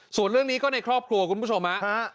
ส่วนเรื่องนี้ก็ในครอบครัวคุณผู้ชมฮะ